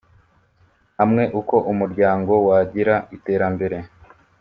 hamwe uko umuryango wagira iterambere